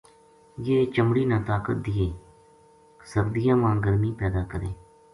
یہ چمڑی نا طاقت دیئے سردیاں ما گرمی پیدا کرے